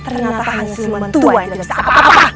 ternyata hanya si luman tua yang tidak bisa apa apa